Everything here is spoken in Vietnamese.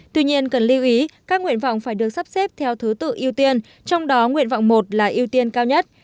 tuy nhiên cần lưu ý các nguyện vọng phải được sắp xếp theo thứ tự ưu tiên trong đó nguyện vọng một là ưu tiên cao nhất